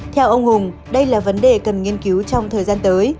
theo ông hùng đây là vấn đề cần nghiên cứu trong thời gian tới